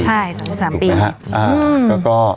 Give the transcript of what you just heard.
ใช่๓๓ปี